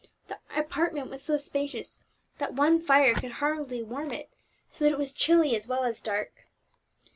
The apartment was so spacious that one fire could hardly warm it, so that it was chilly as well as dark.